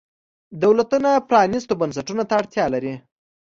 دولتونه پرانیستو بنسټونو ته اړتیا لري.